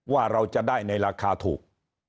ว่าเราจะได้ในราคาถูก